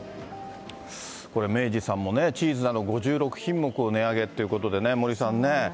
これ、明治さんもね、チーズなど５６品目を値上げっていうことでね、森さんね。